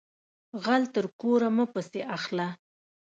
غل تر کوره مه پسی اخله